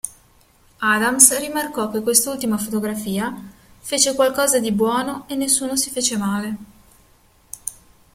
Adams rimarcò che quest'ultima fotografia "fece qualcosa di buono e nessuno si fece male.